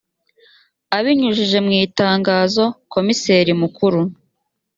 abinyujije mu itangazo komiseri mukuru